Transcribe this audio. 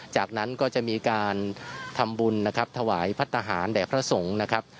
จากนั้นก็จะมีการทำบุญนะครับถวายพัฒนาหารแด่พระสงฆ์นะครับ